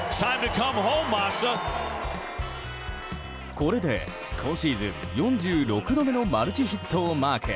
これで今シーズン４６度目のマルチヒットをマーク。